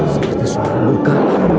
seperti suara luka